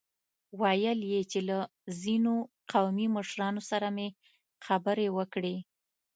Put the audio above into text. ويل يې چې له ځينو قومي مشرانو سره مې خبرې وکړې.